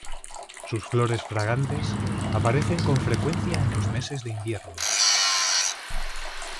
Sus flores fragantes aparecen con frecuencia en los meses de invierno.